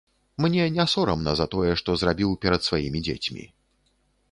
Мне не сорамна за тое, што зрабіў перад сваімі дзецьмі.